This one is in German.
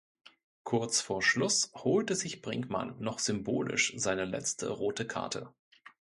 Kurz vor Schluss holte sich Brinkmann noch symbolisch seine letzte rote Karte.